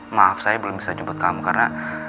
maaf saya belum bisa jemput kamu karena